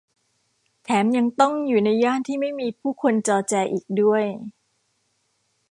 แถมยังต้องอยู่ในย่านที่ไม่มีผู้คนจอแจอีกด้วย